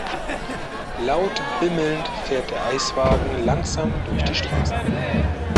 Laut bimmelnd fährt der Eiswagen langsam durch die Straßen.